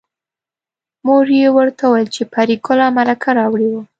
مور یې ورته وویل چې پري ګله مرکه راوړې وه